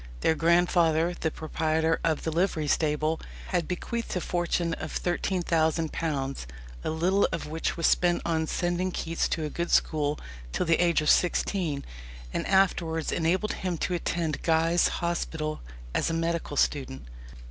Their grandfather, the proprietor of the livery stable, had bequeathed a fortune of £13,000, a little of which was spent on sending Keats to a good school till the age of sixteen, and afterwards enabled him to attend Guy's Hospital as a medical student.